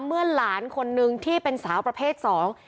เมื่อหลานคนนึงที่เป็นสาวประเภทสอง